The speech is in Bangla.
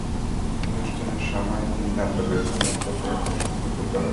অনুষ্ঠানের সময়ই তিনি জানতে পেরেছিলেন যে তিনি প্রসব করতে চলেছেন।